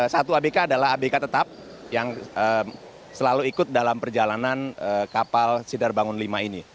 satu abk adalah abk tetap yang selalu ikut dalam perjalanan kapal sinar bangun v ini